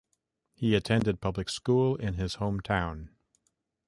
He attended public school in his home town.